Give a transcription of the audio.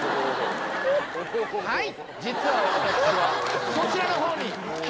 はい！